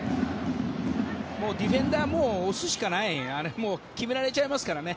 ディフェンダーはもう押すしかないねあれ、もう決められちゃいますからね。